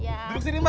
bukan suka época opa